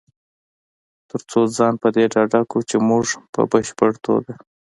تر څو ځان په دې ډاډه کړو چې مونږ په بشپړ توګه